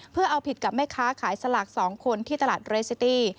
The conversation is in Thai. เพื่อเอาผิดกับแม่ค้าขายสลาก๒คนที่ตลาดเรซิตี้